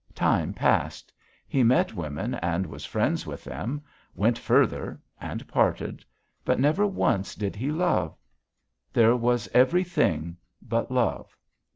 Time passed; he met women and was friends with them, went further and parted, but never once did he love; there was everything but love.